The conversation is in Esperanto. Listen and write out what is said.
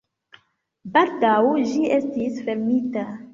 Baldaŭ ĝi estis fermita.